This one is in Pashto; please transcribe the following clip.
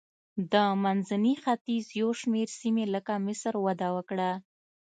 د منځني ختیځ یو شمېر سیمې لکه مصر وده وکړه.